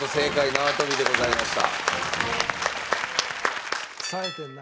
縄跳びでございました。